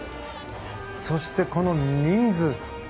そして、この人数。